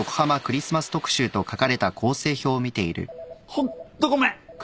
ホンットごめん！